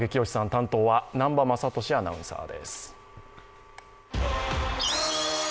担当は南波雅俊アナウンサーです。